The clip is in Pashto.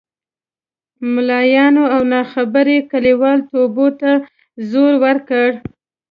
ملایانو او ناخبره کلیوالو توبو ته زور ورکړ.